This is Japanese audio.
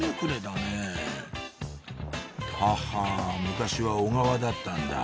昔は小川だったんだ